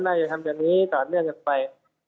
น่าจะทำอย่างนี้ต่อเนื่องกันไป